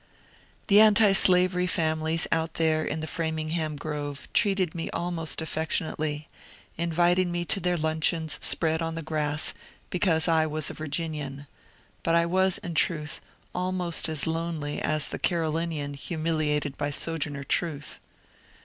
" The antislavery families out there in the Framingham Grove treated me ahnost affectionately, inviting me to their luncheons spread on the grass, because I was a Virginian ; but I was, in truth, ahnost as lonely as the Carolinian humiliated by Sojourner Truth.